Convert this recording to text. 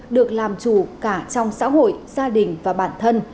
được làm chủ cả trong xã hội gia đình và bản thân